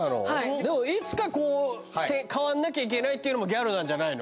でもいつか変わんなきゃいけないっていうのもギャルなんじゃないの？